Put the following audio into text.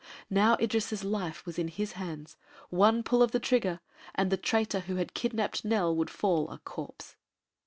Now Idris' life was in his hands. One pull of the trigger and the traitor who had kidnapped Nell would fall a corpse.